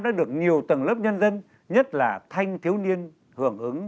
đã được nhiều tầng lớp nhân dân nhất là thanh thiếu niên hưởng ứng